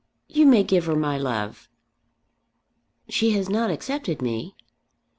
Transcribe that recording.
You may give her my love." "She has not accepted me."